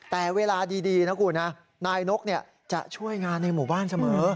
แต่เวลาดีนะคุณนายนกจะช่วยงานในหมู่บ้านเสมอ